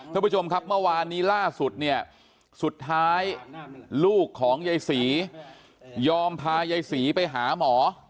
ท่านผู้ชมครับเมื่อวานนี้ล่าสุดเนี่ยสุดท้ายลูกของยายศรียอมพายายศรีไปหาหมอ